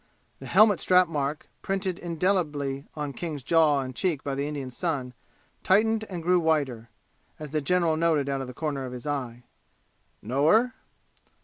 The helmet strap mark, printed indelibly on King's jaw and cheek by the Indian sun, tightened and grew whiter as the general noted out of the corner of his eye. "Know her?"